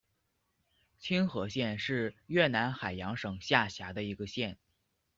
青河县是越南海阳省下辖的一个县。